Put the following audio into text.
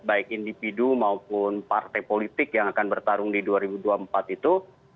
baik individu maupun partai politik yang akan bertarung di dua ribu dua puluh empat itu